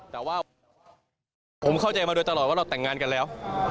แต่ว่าผมเข้าใจมาโดยตลอดว่าเราแต่งงานกันแล้ว